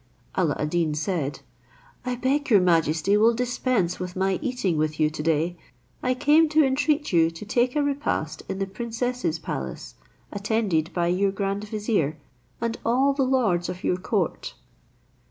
Alla ad Deen said, "I beg your majesty will dispense with my eating with you to day; I came to entreat you to take a repast in the princess's palace, attended by your grand vizier, and all the lords of your court."